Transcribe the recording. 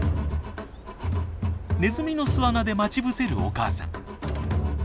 ネズミの巣穴で待ち伏せるお母さん。